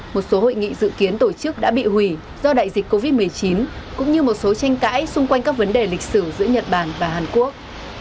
một số hội nghị dự kiến tổ chức đã bị hủy do đại dịch covid một mươi chín cũng như một số tranh cãi xung quanh các vấn đề lịch sử giữa nhật bản và hàn quốc